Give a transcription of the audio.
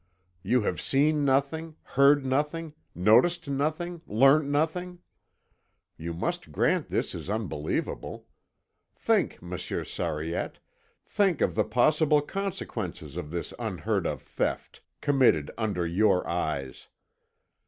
You have seen nothing, heard nothing, noticed nothing, learnt nothing? You must grant this is unbelievable. Think, Monsieur Sariette, think of the possible consequences of this unheard of theft, committed under your eyes.